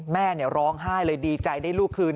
แม่ร้องไห้เลยดีใจได้ลูกคืน